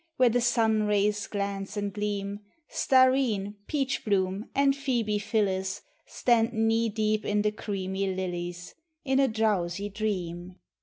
Where Ihe sun rays glance and gleam, Starine, IVachbloom, and IMuebe Phyllis Stand knee deep in the creamy lilies, Jn a drowsy dream.